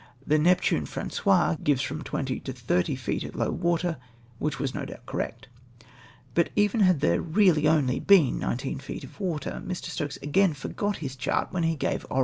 The Neptune Francois gives from twenty to thirty feet at low water, which was no doubt correct. But even had there been only nineteen feet of water ]\ir. Stokes again forgot his chart when he gave oral * Sec p.